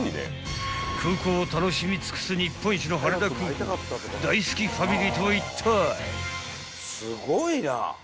［空港を楽しみ尽くす日本一の羽田空港大好きファミリーとはいったい？］